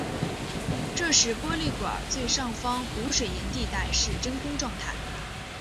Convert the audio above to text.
这时玻璃管最上方无水银地带是真空状态。